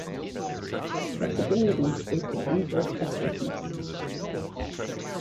Flexibility is the inverse of stiffness.